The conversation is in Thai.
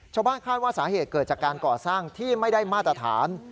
ชาวบ้านคาดว่าสาเหตุเกิดจากการก่อสร้างที่ไม่ได้มาตรฐาน